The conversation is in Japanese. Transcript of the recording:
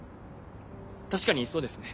確かにそうですね。